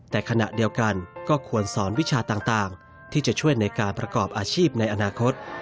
แต่ขณะเดียวกันก็ควรสอนวิชาต่างที่จะช่วยในการประกอบอาชีพในอนาคต